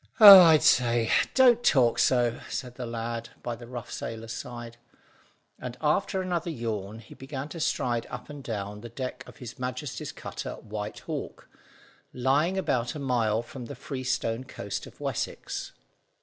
"Oh, I say, don't talk so," said the lad by the rough sailor's side; and after another yawn he began to stride up and down the deck of His Majesty's cutter White Hawk, lying about a mile from the Freestone coast of Wessex.